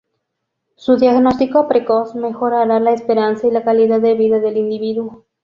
Su diagnóstico precoz mejorará la esperanza y la calidad de vida del individuo.